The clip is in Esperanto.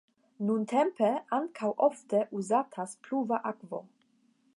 Nuntempe ankaŭ ofte uzatas pluva akvo.